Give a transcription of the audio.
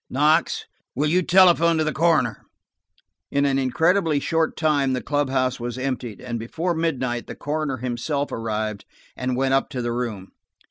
Knox, will you telephone to the coroner?" In an incredibly short time the club house was emptied, and before midnight the coroner himself arrived and went up to the room.